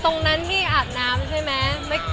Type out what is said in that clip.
ตรงนั้นพี่อาบน้ำใช่ไหม